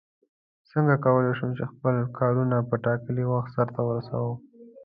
څنگه کولای شو چې خپل کارونه په ټاکلي وخت سرته ورسوو؟